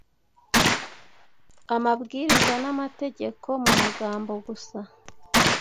amabwiriza n’amategeko mu magambo gusa.